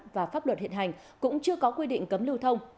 và pháp luật hiện hành cũng chưa có quy định cấm lưu thông